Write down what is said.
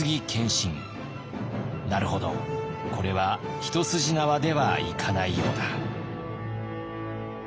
「なるほどこれは一筋縄ではいかないようだ」。